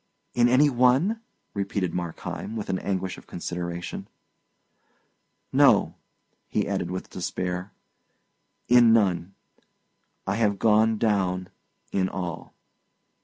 "In any one?" repeated Markheim, with an anguish of consideration. "No," he added, with despair; "in none! I have gone down in all."